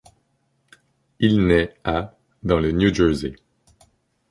Il naît à dans le New Jersey.